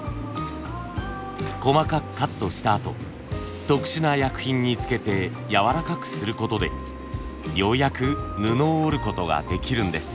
細かくカットしたあと特殊な薬品につけて柔らかくすることでようやく布を織ることができるんです。